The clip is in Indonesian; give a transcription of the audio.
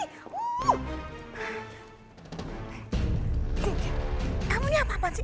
sintia kamu ini apaan sih